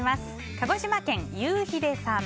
鹿児島県の方。